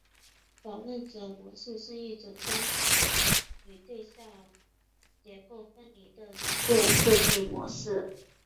访问者模式是一种将算法与对象结构分离的软件设计模式。